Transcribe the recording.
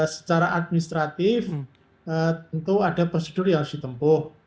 secara administratif tentu ada prosedur yang harus ditempuh